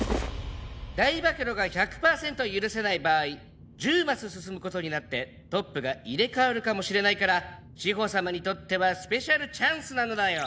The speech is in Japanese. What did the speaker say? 大暴露が１００パーセント許せない場合１０マス進む事になってトップが入れ替わるかもしれないから志法様にとってはスペシャルチャンスなのだよ！